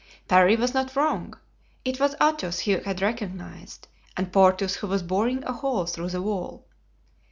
Parry was not wrong. It was Athos he had recognized, and Porthos who was boring a hole through the wall.